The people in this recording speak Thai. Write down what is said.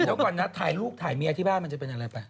เดี๋ยวก่อนนะถ่ายลูกถ่ายเมียที่บ้านมันจะเป็นอะไรไป